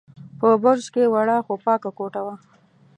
په برج کې وړه، خو پاکه کوټه وه.